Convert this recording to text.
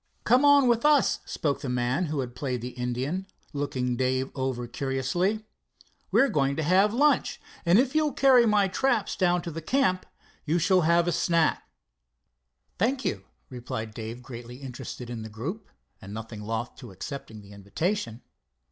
"Come on with us," spoke the man who had played the Indian, looking Dave over curiously. "We're going to have lunch, and if you'll carry my traps down to the camp you shall have a snack." "Thank you," replied Dave, greatly interested in the group, and nothing loth to accepting the invitation.